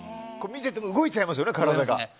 見てても動いちゃいますよね、体が。